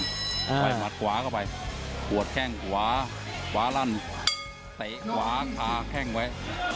ถ่อยหมัดกวาก็ไปปวดแค่งหวาฝ้าลั่นเตะหวาคาแค่งไว้